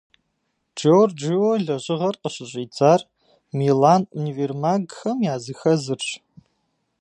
Джорджио и лэжьыгъэр къыщыщӀидзар Милан универмагхэм языхэзырщ.